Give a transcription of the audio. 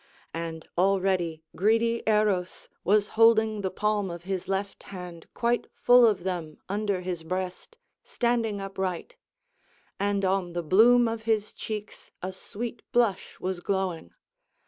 And already greedy Eros was holding the palm of his left hand quite full of them under his breast, standing upright; and on the bloom of his cheeks a sweet blush was glowing.